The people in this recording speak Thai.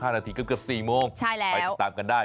๕นาทีเกือบ๔โมงไปติดตามกันได้